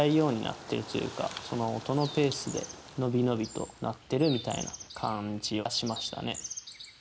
その音のペースで伸び伸びと鳴ってるみたいな感じがしましたね。